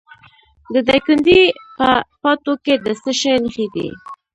د دایکنډي په پاتو کې د څه شي نښې دي؟